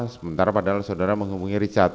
sementara padahal saudara menghubungi richard